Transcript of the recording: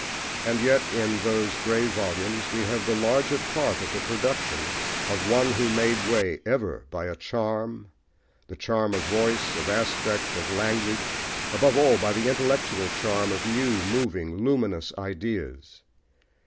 And yet, in those grey volumes, we have the larger part of the production of one who made way ever by a charm, the charm of voice, of aspect, of language, above all by the intellectual charm of new, moving, luminous ideas.